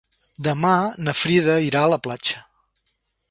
Demà na Frida irà a la platja.